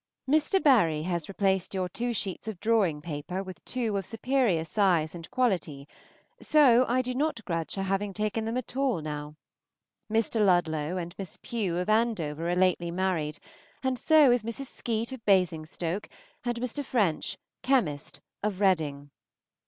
Miss Debary has replaced your two sheets of drawing paper with two of superior size and quality; so I do not grudge her having taken them at all now. Mr. Ludlow and Miss Pugh of Andover are lately married, and so is Mrs. Skeete of Basingstoke, and Mr. French, chemist, of Reading.